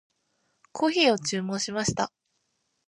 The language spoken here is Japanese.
コーヒーを注文しました。